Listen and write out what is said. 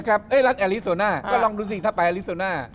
รัฐแอลิโซน่าก็ลองดูสิถ้าไปอลิโซน่า